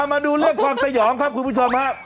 มาดูเรื่องความสยองครับคุณผู้ชมครับ